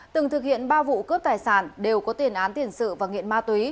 từng thực hiện ba vụ cướp tài sản đều có tiền án tiền sự và nghiện ma túy